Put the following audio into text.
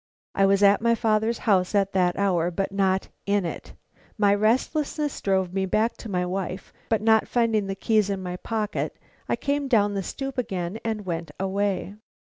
I was at my father's house at that hour, but not in it. My restlessness drove me back to my wife, but not finding the keys in my pocket, I came down the stoop again and went away."